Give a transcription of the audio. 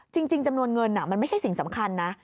จริงจำนวนเงินมันไม่ใช่สิ่งสำคัญนะ